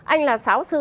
anh là sáo sư